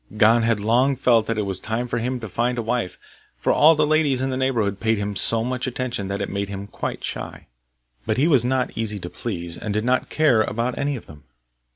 Gon had long felt that it was time for him to find a wife, for all the ladies in the neighbourhood paid him so much attention that it made him quite shy; but he was not easy to please, and did not care about any of them.